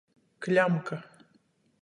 Kļamka.